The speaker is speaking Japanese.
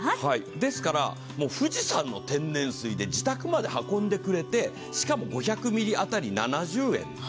ですから富士山の天然水で、自宅まで運んでくれて、しかも５００ｍｌ当たり７０円。